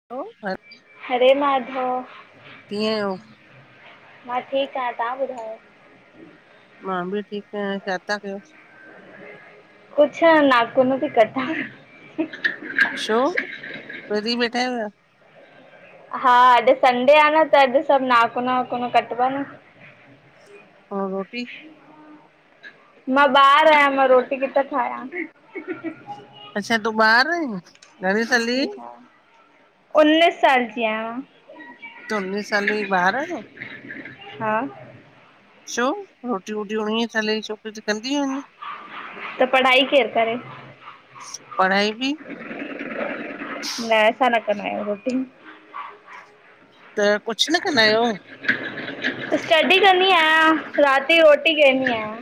[unintelligible] हरे माधव। कीअं आहियो? मां ठीकु आं, तां ॿुधायो? मां बि ठीकु आहियां, शाथा कयो? कुछ, नाखून पई कटां। शो, प्रदी वेठा आह्यो या। [unintelligible] हा अॼु संडे आहे न, त अॼु सभु नाखून वाखून कटबा न। ए रोटी? मां ॿार आयां, मां रोटी किथां ठायां। अच्छा तूं ॿार् आइं? उन्नीस साल की आहियां। तू उन्नीस साले इ ॿार आहीं न? हा। वो, रोटी वोटी उणिय साल ई छो कुझ कंदीयु आहिन, त पढ़ाई केरु करे पढ़ाई बि? [unintelligible] न असां न कंदा आहियूं रोटी। त कुझु न कंदा आहियो? स्टडी कंदी आहियां, रात जी रोटी केंदी आहिंयां।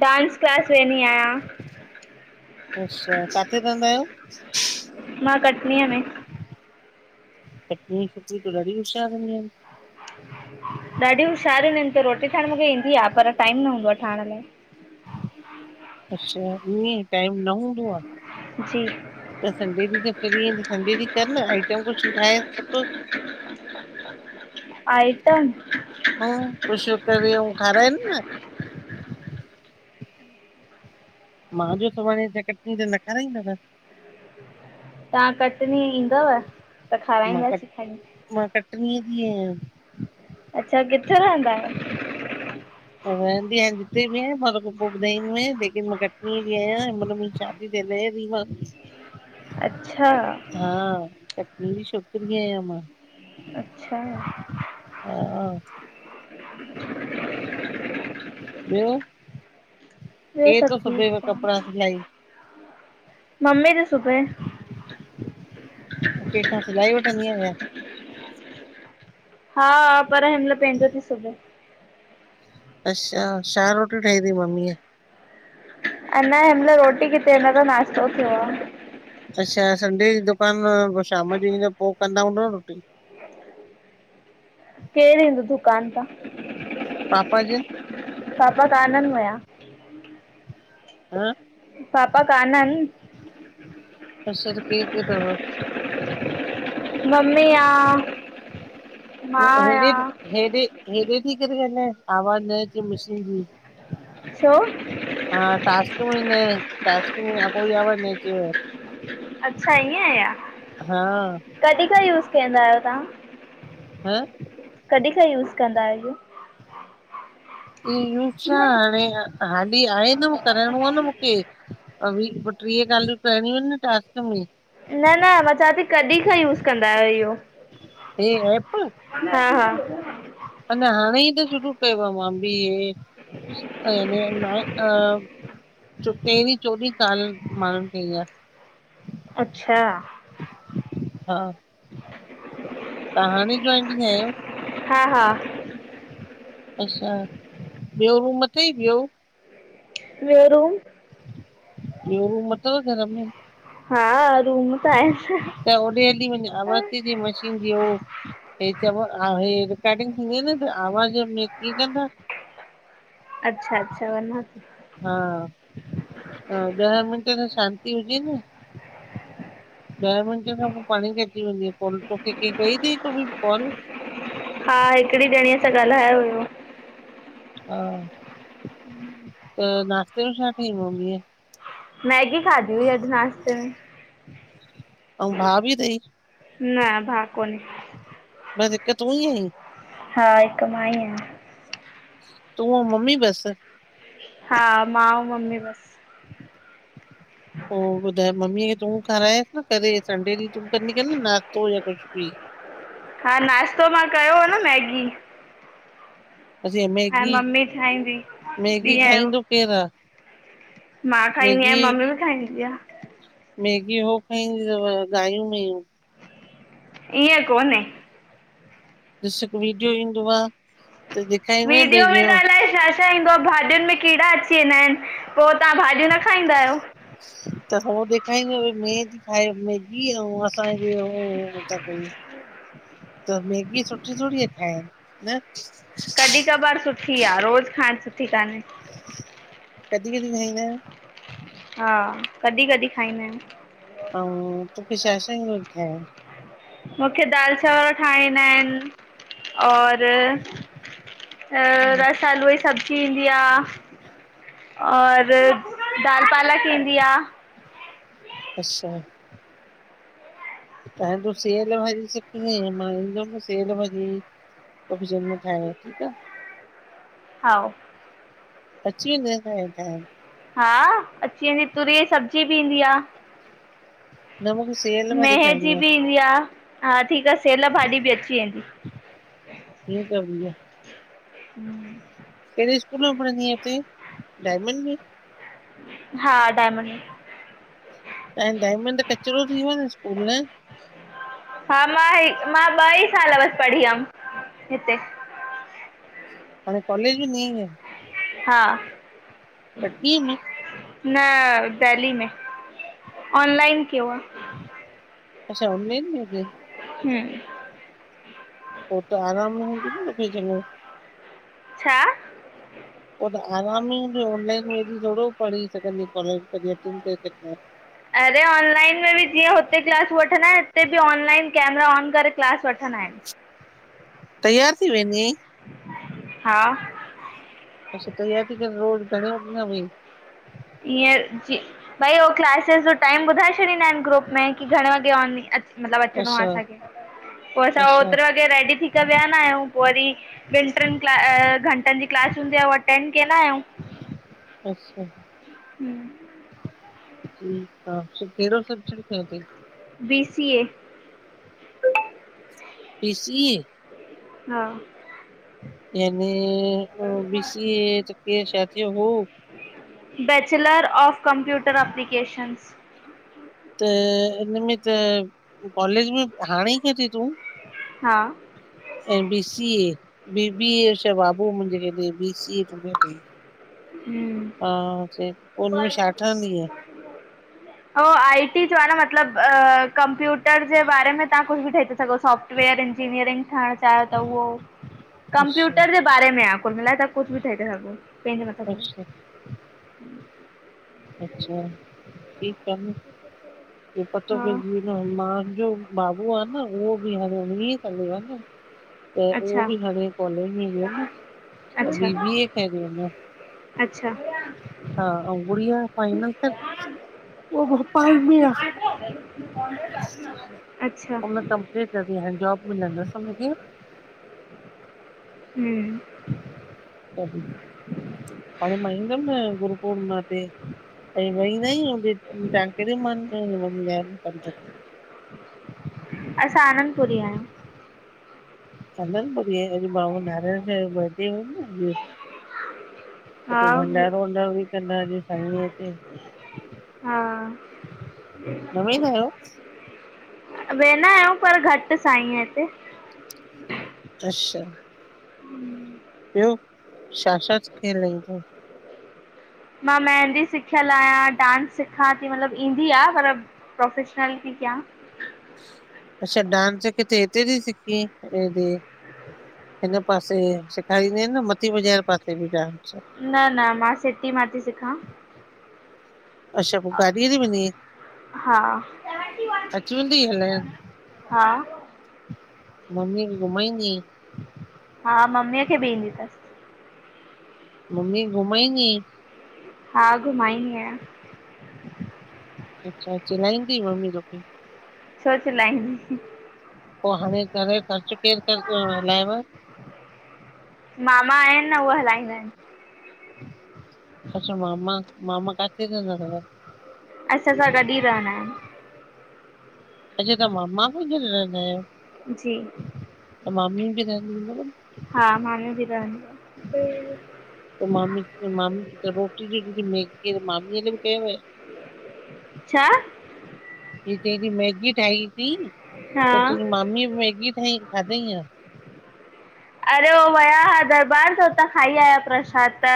डांस क्लास वेनी आहियां। अच्छा, काथे रहंदा आहियो मां कटनीअ में। कटनीय जी त ॾाढी होशियारु हूंदीयूं आहिन। ॾाढियूं होशियारियूं आहिनि त रोटी ठाहिण मुखे ईंदी आ, पर टाइम न हूंदो आ ठाहिण लाइ। [inaudible] अच्छा, ईएं टाइम न हूंदो आ। जी त संडे ॾींहुं त फ्री इन, संडे ॾींहुं कर न आइटम कुछु ठाहे सुठो। आइटम? हूं कुछु करे अऊं खाराएन न। मां जे सुभाणे कटनीय अचां त न खाराईंदव? तां कटनी ईंदव? त मां कट खाराईंदासीं खणी। मां कटनीअ जी आहियां। अच्छा, किथे रहंदा आहियो? रहंदी आहियां जिते बि आहिया मां तोखे पोइ ॿुधाईंदीमें, लेकिन मां कटनीअ जी आहियां, मन मुंहिंजी शादी [unintelligible] अच्छा। हां, कटनीअ जी छोकिरी आहियां मां। अच्छा। हा ॿियो ॿियो केरु तो सभु सुबेव ठीकु कपड़ा आहे सिलाई? मम्मी ती सुबे। कंहिं खां सिलाई वठंदी आ या? हा पर हिन महिल पंहिंजो ती सुबे। अच्छा, छा रोटियूं ठाहियूं तईं मम्मीअ? अना हिनमल रोटी किथे, अञां त नाश्तो थियो आ। अच्छा, संडे ॾीहुं दुकानु पोइ शाम जो ईंदो पोइ कंदा हूंदव न रोटी। केरु ईंदो दुकान तां? पपा जिनि। पापा काननि वया। हं! पापा काननि। अच्छा, त केर केर तव? मम्मी आ। मां हेॾे आहियां। हेॾे हेॾे थी करे ॻालाए, आवाज़ न अचे मशीन जी। छो। हा, टास्क में न, टास्क में कोई आवाज़ न अचेव। अच्छा ईअं आ या? हा। कॾी खां यूज़ कंदा आहियो तां? हं? कॾी खां यूज़ कंदा आहियो? ई यू छा, हाणे हाली आहे न, कराइणो आ न मुखे। बीह पो टीह काल्यू करणी इन न टास्क में। न न मां चवां ती कॾी खां यूज़ कंदा आहियो इहो? हे ऐप? हा हा। अञां हाणे ई त शुरू कयो मां बी हे। [unintelligible] टेवीं चोॾीं कॉलस माण्हुनि खईं आ। अच्छा हा, तव्हां हाणे जौइनिंग आहियो? हा हा अच्छा, ॿियो रूम अथई, ॿियो? ॿियो रूम ॿियो रूम अथव घर में? हा रूम त आहेन न त होॾे हली वञ आवाज़ ती अचे मशीन जी हो हे चव, हे रिकॉर्डिंग थींदी आ न, त आवाज़ में कियं कंदा? अच्छा, अच्छा वञा थी हा, हा ॾह मिंट त शांती हुजे न ॾह मिंटे खां पो पाणे ही कटजी वेंदी आ कॉल, तोखे केंह कई थई हिक बि कॉल? हा हिकिड़ी ॼणीअ सां ॻाल्हायो हुयो। हा त नाश्ते में छा ठाईं मम्मीअ? मैगी खादी हुई अॼु नास्ते में। अऊं भा भी थयी? न भा कोने बस हिक तूं ई आहीं? हा हिक मां ही आहियां। तूं अंऊँ मम्मी बस? हा मां अंऊँ मम्मी बस। पो ॿुधाए मम्मीअ खे तूं खाराएसि न करे संडे ॾींहुं तूं कंदी कर न नाश्तो या कुझ बि हा नाश्तो मां कयो हो न मैगी। बस ईआ ऐं मैगी, मम्मी ठाहींदी मैगी ॾींहं जो खाईंदो केर आ? मां खाईंदी आहियां, मम्मी बि खाईंदी आ। मैगी हो खाइंदियू थव गांईंयूं मेंहूं ईअं कोन्हे ॾिस हिकु वीडियो ईंदो आ त ॾेखाइंदो वीडियो भई में जो त अलाए छा भाॼियुनि में कीड़ा अची वेंदा आहिनि पो तव्हां भाॼियूं न खाईंदा आहियो? त हो ॾेखाइंदो आ भई मेंह थी खाए मैगी हीअ अंऊँ असां जे होओ था कयूं त मैगी सुठी थोड़ी आ खाइण न कॾहिं कबार सुठी आ, रोज़ु खाइणु सुठी कान्हे कॾहिं कॾहिं खाईंदा आहियो? हा कॾहिं-कॾहिं खाईंदा आहियूं। अऊं तोखे छा, छा ईंदो आ ठायण? मूंखे दाल चांवर ठाईंण ईंदा आहिनि और अ रस आलू जी सब्जी ईंदी आ और दाल पालक ईंदी आ अच्छा हाणे तूं सेयल भाॼी सिखजाईं मां ईंदम न त सेयल भाॼी तोखे चवंदिमा ठाएण ठीकु आहे हाओ अची वेंदई सायल ठाहेण हा अची वेंदी तुरीअ जी सब्जी बि ईंदी आ न मुखे सेयल भाॼी मेहे जी खाइणी बि ईंदी आ हा ठीक आं सेयल भाॼी बि अची वेंदी। ठीक आ भईया। केड़े स्कूल में पढ़ंदी आहीं हुते, डायमंड में? हा डायमंड में। त हाणे डायमंड त कचरो थी वियो आ न स्कूल न। हा मां हे मां ॿ ई साल पढ़ी हम हिते। हाणे कॉलेज वेंदी आहे छा? हा कटनीअ में, न देहली में ऑनलाइन कियो आ। अच्छा ऑनलाइन कयो तई। हम पो त आराम हुंदी न तोखे चंञो। छा पो त आराम ई हुंदई ऑनलाइन में बि थोड़ो पढ़ी सघंदीअ [unintelligible] अरे ऑनलाइन में बि जीअं हुते क्लास वठंदा आहिन हिते बि ऑनलाइन कैमरा ऑन करे क्लास वठंदा आहिन। तैयार थी वेंदी आईं। हा अच्छा तैयार थी करे, रोज घणे वॻे खां वेहीं? ईअं जी भई हो क्लासेस जो टाइम ॿुधाए छॾींदा आहिन ग्रुप में कि घणे वॻे ऑनलाइन अच मतलब अचणो आ अच्छा असांखे पो असां अच्छा ओतरे वॻे रेडी थी करे वेहंदा आयूं पो वरी ॿिन ट्रिन क्लास अ घंटन जी क्लास हूंदी आ हूअ अटेंड केंदा आयूं। अच्छा हम ठीक आ फिर केड़ो सब्जेक्ट खंयो तई? B C A B C A हा जेंमे बी सी ए त कीअं छा थियो हो बैचलर ऑफ कंप्यूटर एप्लीकेशन्स। त इन में त कॉलेज में हाणे ई कयो तई तूं। हा ऐं B C A B B A अछा बाबू मुंजे खईं तई बी सी ए तुंजो तई। हम हा सही पो हिनमें छा ठहंदीअ? [inaudible] हो आई टी जो आ ना मतलब अ कंप्यूटर जे बारे में तां कुछ बि ठही ता सघो सॉफ्ट वेयर ईंजिनियरिंग ठहण चाहे त उओ अच्छा कंप्यूटर जे बारे में आ कुल मिलाए करे तां कुछ बि ठही ता सघो। अच्छा [unintelligible] अच्छा ठीक आ न इयो पतो हा पैंजी वियो। न मांजो बाबू आ न उओ बि हाणे उणवीहं साले जो आ न। त उओ अच्छा बि हाणे कॉलेज में वियो न। बी बी अच्छा ऐं कयो तई उन अच्छा हा अऊं गुडीया? उह भोपाल में आ। [inaudible] उन कंप्लीट कयो तई हाणे जॉब मिलंदसि हम्म। तॾिहं हांणे मां इंदम न गुरू पूर्णिमा ते। कॾिहं वई न आहीं होॾे तव्हां कहिड़े म [unintelligible] संत खे? असां आनंदपुरी आहियुं। अनंदपुरी आहियो, अॼु बाबा नारायण शाह जो बर्डे हो न। अॼु हा उते भंडारो वंडारो भी कंदा साई हा न वेंदा आहियो? वेंदा आहियूं पर, घट साईं हिते। अच्छा। हम्म। ॿियो छा-छा सिखियल आहीं तूँ? मां मेहदी सिखियल आहियां, डांस सिखां थी मतलब ईंदी आ पर प्रोफेशनालिट ती किया। अच्छा डांस किथे, हिते ती सिखी हेॾ? हिन पासे सेखारींदियु आहिनि न मती बाज़ार पासे बि डांस। न न मां सिटी मां थी सिखां। अच्छा पो गाॾीअ ते वेंदी आहीं, हा अची वेंदी तई हलाइण? हा मम्मी खे घुमईंदी आहीं? हा मम्मीअ खे भी ईंदी तसि। मम्मी खे घुमाईंदी आहीं? हा, घुमाईंदी आहियां। अच्छा, चिल्लाईंदी तई मम्मी तोखे? छो चिलाईंदी। पो हाणे घर ख़र्च केर पियो हलाऐव? मामा आहिनि न उहे हलाईंदा आहिनि। अच्छा मामा, मामा काथे रहंदा तव? असां सां गॾु ही रहवंदा इन। अच्छा तव्हां मामा सां गॾु रहंदा आहियो? जी त मामी बि रहंदी हूंदव हा मामी भी रहंदी आ। त मामी, मामी त रोटी जी मैगी मामी ल भी कयव छा? चई थी मैगी ठाईसी त हा तुंहिंजी मामी भी मैगी ठाही खाधाई या? अरे हो विया हि दरबार त उतां खाई आया प्रसाद त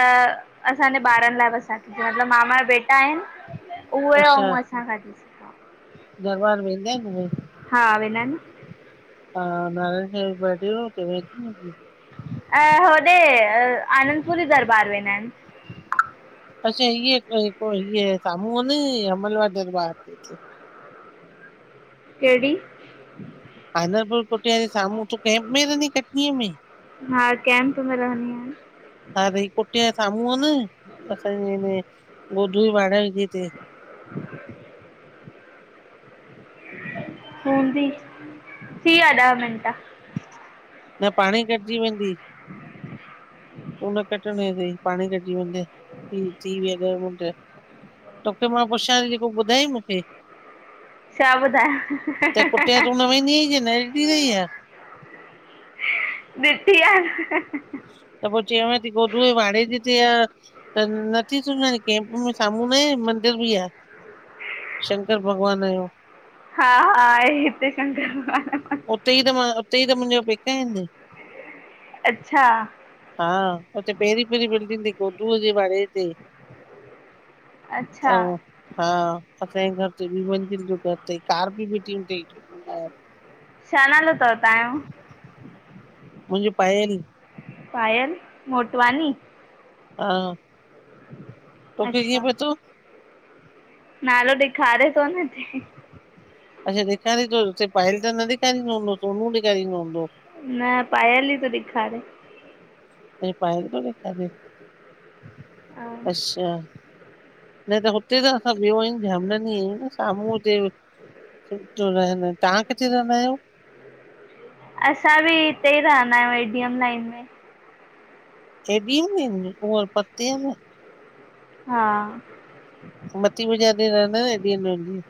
असांजे ॿारनि लाइ बस ठातीसी मतलब मामा जा बेटा आहिनि उहे अच्छा ऐं असां खाधीसी। दरबार वेंदा आहिनि उहे? हा वेंदा इन न। हा नारायण शाह जो बडे हुयो चवेती न अॼु। अ होॾे आनंदपुरी दरबार वेंदा इन। अच्छा इहे, इअं साम्हूं आ न अमल वारी दरबार। ते कहिड़ी? आनरबर कोटी साम्हूं [unintelligible] कैम्प में रहंदी आही कटनी में। हा कैंप में रहंदी आहियां हा त कुटिया जे साम्हूं आ न असांजे हिन गोलू जे वाड़ा जे हिते [unintelligible] [inaudible] हूंदी। थी वया ॾह मिन्ट। न पाणेही कटजी वेंदी। तूं न कटण वञ [unintelligible] पाणे कटिजी वेंदे, थी विया ॾह मिनट। तोखे मां पुछां जेको ॿुधाई मूंखे? छा त कुटिया तूं ॿुधायां न वेंदी आही छा, न ॾिठी थई छा? ॾिठी आहे न। त पोइ चवां थी [unintelligible] गोदू जीवाणु जे हिते आ त नथी सुञाणे केम्प में साम्हूं आहे मंदर बि आ। शंकर भॻवान जो। हा, आहे हिते शंकर भॻवान जो मंदिर। हुते ई त मां, हुते ई त मुंहिंजा पेका आहिनि। अच्छा। हा, हुते पहिरीं पहिरीं बिल्डिंग थी गोडूअ जे वाड़े ते। [unintelligible] अच्छा आऊं हा, असांजे घर टे मंज़िल जो घर तई। कार बि बीठी हूंदीे‌ हेठ। हा- छा नालो थव तव्हांजो? मुंहिंजो, पायल। पायल मोटवानी। हा, तोखें कींअ अच्छा पतो? नालो ॾेखारे थो न। अच्छा, ॾिखारे तो, हुते पायल त न डिखारिंदो हुंदो। सोनू डिखारिंदो हुंदो। न, पायल ई तो ॾिखारे। [unintelligible] पायल तो ॾिखारे, हा अच्छा। न त हुते त असां ॿियो आहियूं झामनानी। आहियूं। न साम्हूं हुते- सुठो रहंद। तव्हां किथे रहंदा आहियो? असां बि हिते ई रहंदा आहियूं एडीएम लाइन में। एडीएम लाइन में [unintelligible] हा। मती [unintelligible] न हेॾी एनर्जी।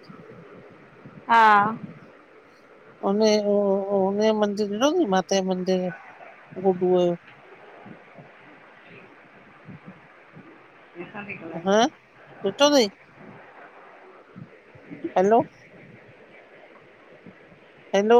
हा। हुन, हुन जो मंदिर ॾिठो थी माता जो मंदिर [unintelligible] जो। गुड्डूअ जो [inaudible] [unintelligible] हा, ॾिठो थई? हैलो। हैलो,